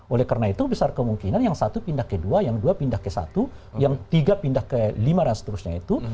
oleh karena itu besar kemungkinan yang satu pindah ke dua yang dua pindah ke satu yang tiga pindah ke lima dan seterusnya itu